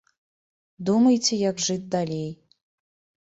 Думайце, як жыць далей.